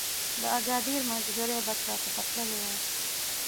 د اګادیر مازیګری بس را څخه تللی و.